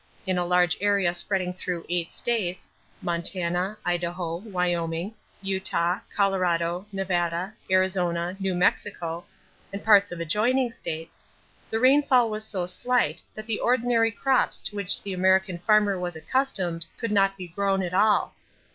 In a large area spreading through eight states, Montana, Idaho, Wyoming, Utah, Colorado, Nevada, Arizona, New Mexico, and parts of adjoining states, the rainfall was so slight that the ordinary crops to which the American farmer was accustomed could not be grown at all.